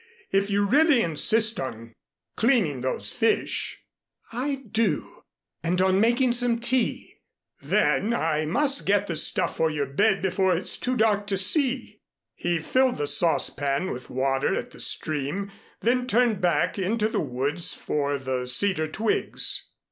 If you really insist on cleaning those fish " "I do and on making some tea " "Then I must get the stuff for your bed before it's too dark to see." He filled the saucepan with water at the stream, then turned back into the woods for the cedar twigs.